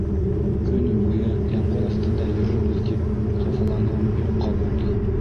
Көнө буйы ямғыр аҫтында йөрөрбөҙ тип хафаланыуым юҡҡа булды.